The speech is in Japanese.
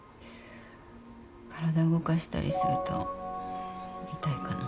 体を動かしたりすると痛いかな。